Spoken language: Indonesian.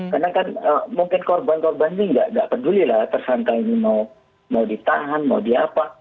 karena kan mungkin korban korban ini tidak peduli lah tersangka ini mau ditahan mau diapa